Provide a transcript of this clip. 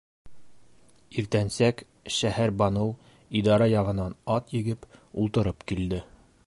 Иртәнсәк Шәһәрбаныу идара яғынан ат егеп ултырып килде.